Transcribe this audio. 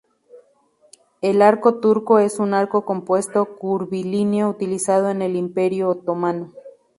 El arco turco es un arco compuesto curvilíneo utilizado en el Imperio Otomano.